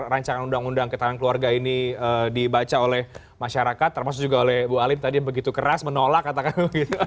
rancangan undang undang ketahanan keluarga ini dibaca oleh masyarakat termasuk juga oleh bu halim tadi yang begitu keras menolak katakan begitu